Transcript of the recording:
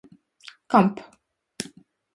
Comp.